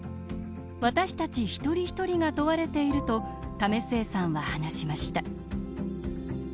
私たち一人一人が問われていると為末さんは話しました